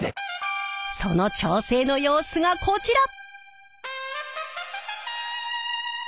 その調整の様子がこちら！